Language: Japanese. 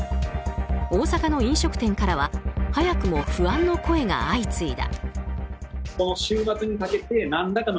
大阪の飲食店からは早くも不安の声が相次いだ。